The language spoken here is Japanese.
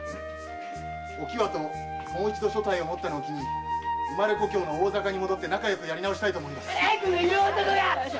お喜和ともう一度所帯を持ったのを機に生まれ故郷の大坂に戻ってやり直したいと思います。